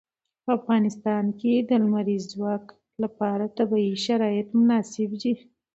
په افغانستان کې د لمریز ځواک لپاره طبیعي شرایط مناسب دي.